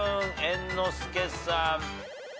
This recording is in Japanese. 猿之助さん。